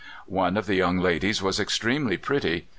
One of the young ladies was extremely pretty.